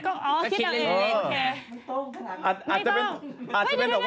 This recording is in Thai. ก็คิดอย่าแล้วเล่นแค่